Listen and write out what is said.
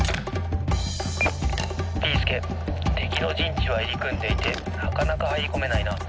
「ビーすけてきのじんちはいりくんでいてなかなかはいりこめないな。